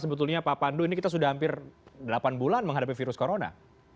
sebetulnya pak pandu ini kita sudah hampir delapan bulan menghadapi virus corona